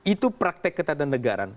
itu praktek ketatanegaraan